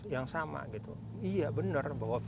yang sama gitu iya benar bahwa